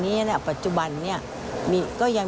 ในหลวงทั้งสองพระองค์ทั้งสองพระองค์